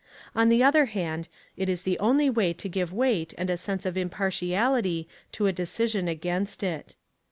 On the other hand, it is the only way to give weight and a sense of impartiality to a decision against it.